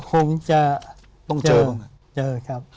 ก็คงจะเจอครับ